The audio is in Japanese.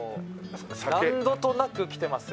何度となく来てますよ